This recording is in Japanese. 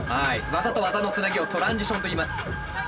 技と技のつなぎをトランジションといいます。